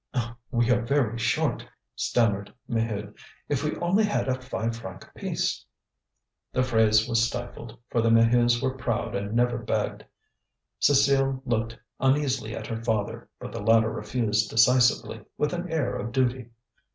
"We are very short," stammered Maheude; "if we only had a five franc piece " The phrase was stifled, for the Maheus were proud and never begged. Cécile looked uneasily at her father; but the latter refused decisively, with an air of duty.